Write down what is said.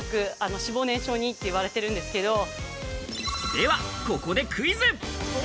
ではここでクイズ。